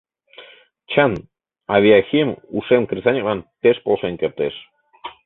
Чын, авиахим ушем кресаньыклан пеш полшен кертеш.